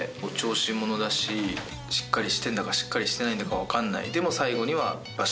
しっかりしてんだかしっかりしてないんだか分かんないでも。